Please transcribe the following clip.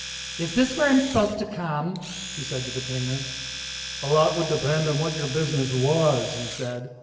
"Is this where I'm supposed to come?" she said to the painter. "A lot would depend on what your business was," he said.